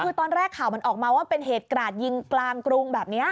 คือตอนแรกข่าวมันออกมาว่าเป็นเหตุกราดยิงกลางกรุงแบบนี้